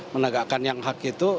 menegakkan yang hak itu